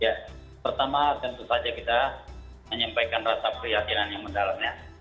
ya pertama tentu saja kita menyampaikan rasa perhatian yang mendalamnya